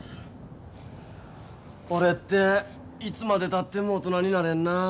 俺っていつまでたっても大人になれんなあ。